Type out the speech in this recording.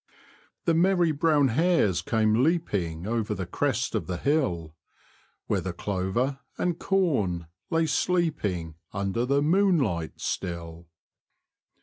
The merry brown hares came leaping Over the crest of the hill, Where the clover and corn lay sleeping Under the moonlight still.